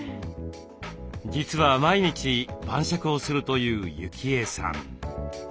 実は毎日晩酌をするという幸枝さん。